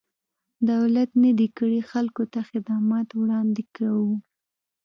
دولت نه دی کړی، خلکو ته خدمات وړاندې کوو.